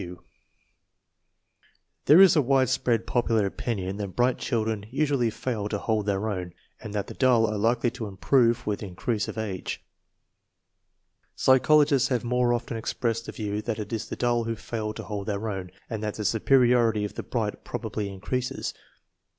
There is a widespread popular opinion that bright children usually fail to hold their own, and that the dull are likely to improve with increase of age. Psychologists have more often expressed the view that it is the dull who fail to hold their own, and that the superiority of the bright probably increases.